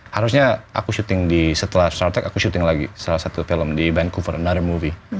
harusnya aku shooting di setelah star trek aku shooting lagi salah satu film di vancouver another movie